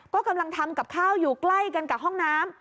ก็กำลังทำกับข้าวอยู่ใกล้กันกับห้องน้ำ